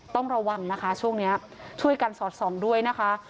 ต้องระวังนะคะช่วงนี้ช่วยกันสอดส่องด้วยนะคะ